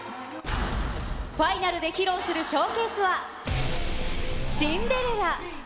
ファイナルで披露するショーケースは、シンデレラ。